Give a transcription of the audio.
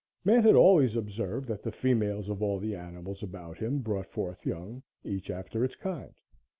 Man had always observed that the females of all the animals about him brought forth young, "each after its kind."